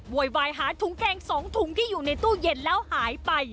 โวยวายหาถุงแกง๒ถุงที่อยู่ในตู้เย็นแล้วหายไป